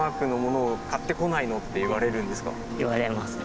言われますね。